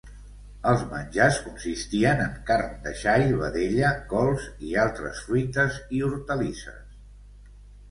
Els menjars consistien en carn de xai, vedella, cols i altres fruites i hortalisses.